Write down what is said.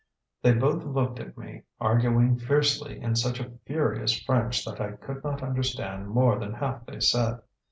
They both looked at me, arguing fiercely in such a furious French that I could not understand more than half they said.